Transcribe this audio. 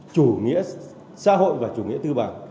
chủ nghĩa xã hội và chủ nghĩa tư bản